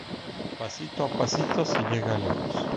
Pasito a pasito se llega lejos